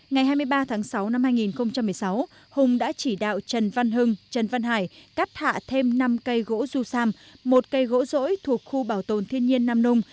ngày hai mươi ba tháng sáu năm hai nghìn một mươi sáu hùng đã chỉ đạo trần văn hưng trần văn hải cắt hạ thêm năm cây gỗ du sam một cây gỗ rỗi thuộc khu bảo tồn thiên nhiên nam nung